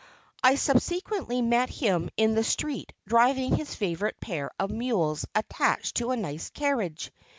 I subsequently met him in the street driving his favorite pair of mules attached to a nice carriage.